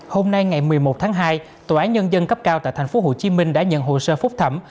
hôm nay ngày một mươi một tháng hai tòa án nhân dân cấp cao tại thành phố hồ chí minh đã nhận hồ sơ phúc thẩm